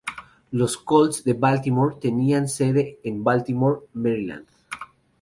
Los Colts de Baltimore tenían sede en Baltimore, Maryland.